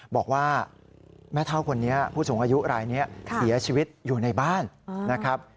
บอกว่าแม่เท่าคนนี้ผู้สูงอายุรายนี้เสียชีวิตอยู่ในบ้านนะครับ